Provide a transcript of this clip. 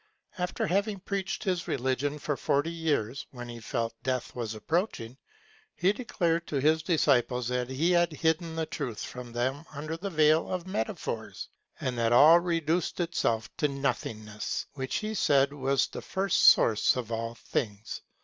After having preached his religion for forty years, when he felt death was approaching, he declared to his disciples that he had hidden the truth from them under the veil of metaphors, and that all reduced itself to Nothingness, which he said was the first source of all things.